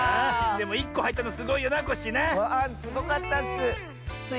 でも１こはいったのすごいよなコッシーな。わすごかったッス！